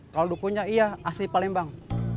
kalau dukunya iya asli palembang